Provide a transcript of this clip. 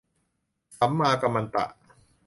สัมมากัมมันตะ